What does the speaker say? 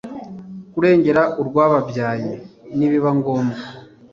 kurengera urwababyaye nibiba ngombwa